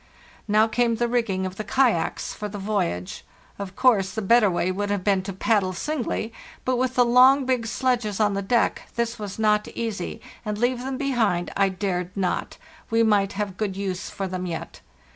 "Now came the rngging of the kayaks for the voy age. Of course, the better way would have been to pad [ox g dle singly, but, with the long, big sledges on the deck, this was not easy, and leave them behind I dared not; we might have good use for them yet.